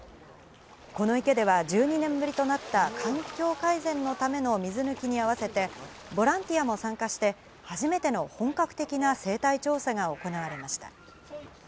この池では１２年ぶりとなった、環境改善のための水抜きに合わせて、ボランティアも参加して、初めての本格的な生態調査が行われました。